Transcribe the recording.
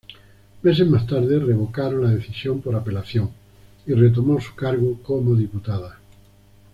Meses más tarde, revocaron la decisión, por apelación, y retomó su cargo como diputada.